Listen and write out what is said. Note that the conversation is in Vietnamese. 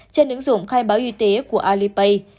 trên ứng dụng khai báo y tế của alipay